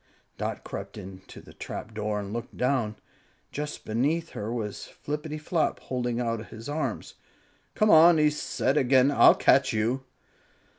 Dot crept up to the trapdoor and looked down. Just beneath her was Flippityflop, holding out his arms. "Come on!" he said again; "I'll catch you."